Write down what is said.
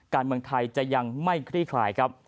การเมืองไทยจะยังไม่คลี่คลายครับ